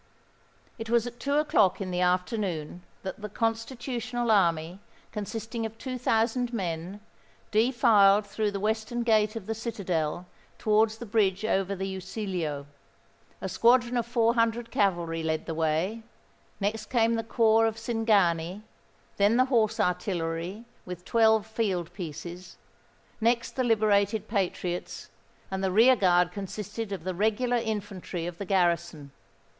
It was at two o'clock in the afternoon that the Constitutional army, consisting of two thousand men, defiled through the western gate of the citadel, towards the bridge over the Usiglio. A squadron of four hundred cavalry led the way: next came the corps of Cingani; then the horse artillery, with twelve field pieces; next the liberated patriots; and the rear guard consisted of the regular infantry of the garrison.